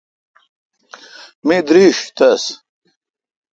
می درݭ تس۔